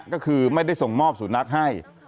ก็คือไม่ได้ส่งมอบสุนัขให้